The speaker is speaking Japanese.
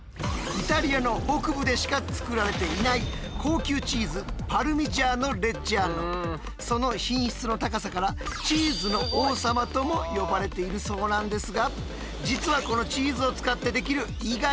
イタリアの北部でしか作られていない高級チーズその品質の高さから「チーズの王様」とも呼ばれているそうなんですが実はこのチーズを使ってできる意外な制度があるんです。